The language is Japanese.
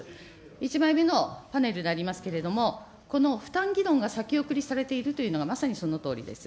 １枚目のパネルでありますけれども、この負担議論が先送りされているというのがまさにそのとおりです。